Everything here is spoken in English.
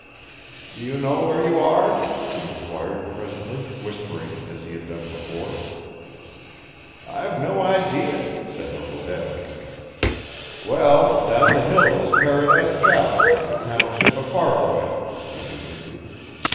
'Do you know where you are?' he enquired presently, whispering as he had done before. 'I've no idee,' said Uncle Eb. 'Well, down the hill is Paradise Valley in the township o' Faraway,' he continued.